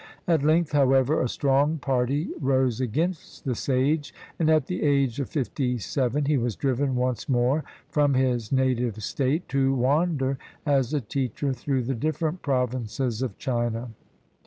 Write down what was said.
At length, however, a strong party rose against the sage; and at the age of fifty seven, he was driven once more from his native state to wander as a teacher through the different provinces of China.